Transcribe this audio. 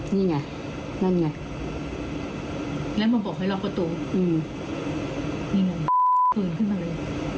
นี่ไงนั่นไงแล้วมาบอกให้ล็อกประตูนี่ไงปืนขึ้นมาเลย